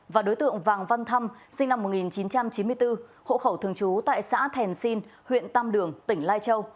và đối tượng vàng văn thăm sinh năm một nghìn chín trăm chín mươi bốn hộ khẩu thường trú tại xã thèn sinh huyện tam đường tỉnh lai châu